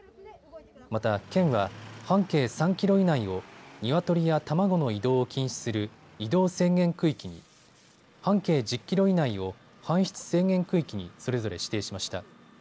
また県は半径３キロ以内をニワトリや卵の移動を禁止する移動制限区域に、半径１０キロ以内を搬出制限区域にそれぞれ指定しました。